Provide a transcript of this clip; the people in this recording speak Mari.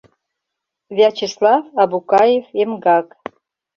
Вячеслав АБУКАЕВ-ЭМГАК